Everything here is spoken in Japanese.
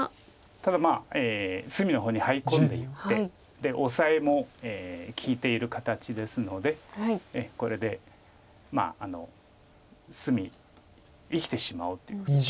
ただまあ隅の方にハイ込んでいってオサエも利いている形ですのでこれで隅生きてしまおうということです。